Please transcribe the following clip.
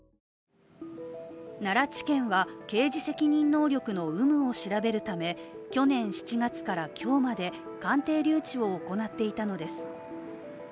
奈良地検は刑事責任能力の有無を調べるため、去年７月から今日まで鑑定留置を行っていたのです。